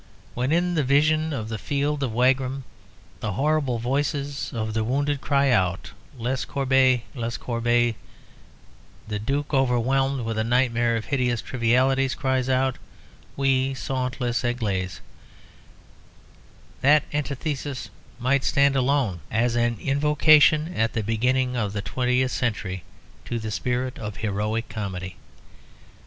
When in the vision of the field of Wagram the horrible voices of the wounded cry out, Les corbeaux, les corbeaux, the Duke, overwhelmed with a nightmare of hideous trivialities, cries out, Où, où, sont les aigles? That antithesis might stand alone as an invocation at the beginning of the twentieth century to the spirit of heroic comedy.